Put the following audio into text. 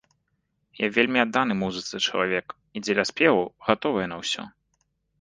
Я вельмі адданы музыцы чалавек і дзеля спеваў гатовая на ўсё.